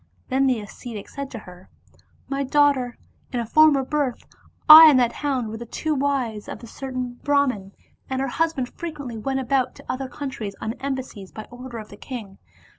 Then the ascetic said to her, " My daughter, in a former birth, I and that hound were the two wive$ of a certaiq 87 Oriental Mystery Stories Brahman. And our husband frequently went about to other countries on embassies by order of the king.